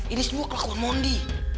ini semua kelakuan mondi